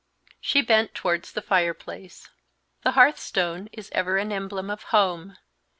She bent towards the fireplace. "The hearthstone is ever an emblem of home.